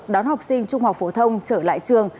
đón học sinh trung học phổ thông trở lại trường